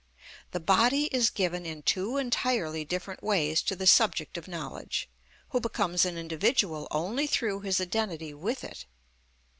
The body is given in two entirely different ways to the subject of knowledge, who becomes an individual only through his identity with it.